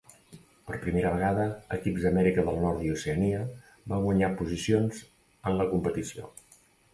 Per primera vegada, equips d'Amèrica del Nord i Oceania van guanyar posicions en la competició.